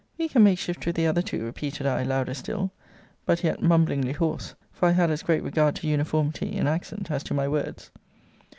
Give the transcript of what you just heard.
We can make shift with the other two, repeated I, louder still: but yet mumblingly hoarse: for I had as great regard to uniformity in accent, as to my words.